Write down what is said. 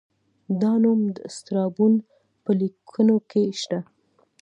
دا نوم د سترابون په لیکنو کې شته